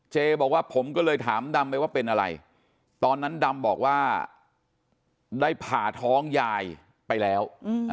เจบอกว่าผมก็เลยถามดำไปว่าเป็นอะไรตอนนั้นดำบอกว่าได้ผ่าท้องยายไปแล้ว